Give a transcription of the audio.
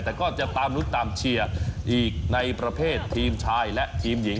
แต่ก็จะตามรุ้นตามเชียร์อีกในประเภททีมชายและทีมหญิง